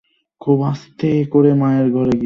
খুব আস্তে করে মায়ের ঘরে গিয়ে তাঁর টেবিলে বইটা রেখে এলাম।